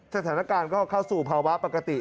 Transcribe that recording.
สถานการณ์ก็เข้าสู่ภาวะปกติ